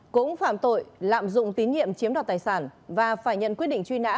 cũng phạm tội lạm dụng tín nhiệm chiếm đoạt tài sản và phải nhận quyết định truy nã